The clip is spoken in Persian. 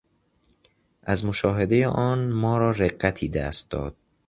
از مشاهدهٔ آن ما را رقتی دست داد.